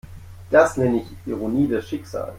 Das nenne ich Ironie des Schicksals.